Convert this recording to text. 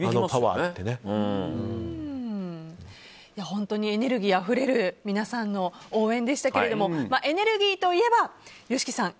本当にエネルギーあふれる皆さんの応援でしたけれどもエネルギーといえばＹＯＳＨＩＫＩさん